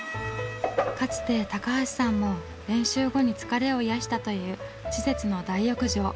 かつて高橋さんも練習後に疲れを癒やしたという施設の大浴場。